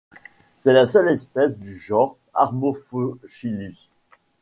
C'est la seule espèce du genre Amorphochilus.